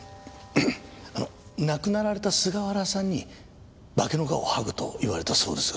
あの亡くなられた菅原さんに化けの皮を剥ぐと言われたそうですが。